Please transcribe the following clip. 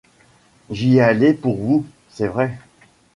J’y allais pour vous, c’est vrai.